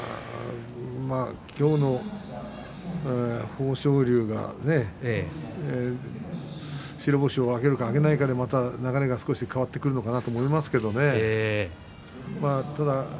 今日の豊昇龍が白星を挙げるか挙げないかでまた流れが少し変わってくるのかなと思いますけれどね。